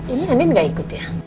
ini andien gak ikut ya